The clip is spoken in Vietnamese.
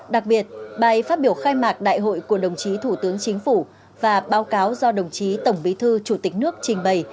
đặc biệt bài phát biểu khai mạc đại hội của đồng chí thủ tướng chính phủ và báo cáo do đồng chí tổng bí thư chủ tịch nước trình bày